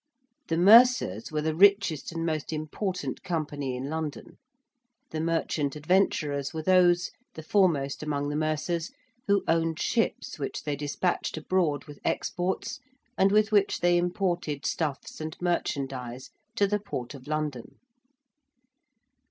The Mercers were the richest and most important company in London: the merchant adventurers were those the foremost among the Mercers who owned ships which they despatched abroad with exports and with which they imported stuffs and merchandise to the Port of London.